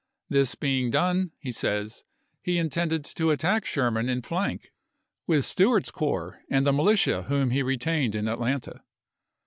This being done, he says, he intended to attack Sherman in flank with Stewart's corps and the militia whom he retained in Atlanta.